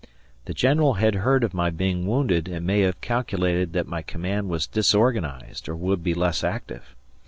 The General had heard of my being wounded and may have calculated that my command was disorganized or would be less active.